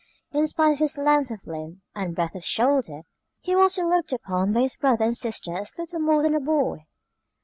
In spite of his length of limb and breadth of shoulder he was still looked upon by his brother and sister as little more than a boy.